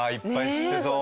知ってそう。